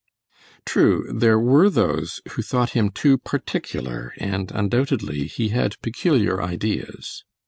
True, there were those who thought him too particular, and undoubtedly he had peculiar ideas.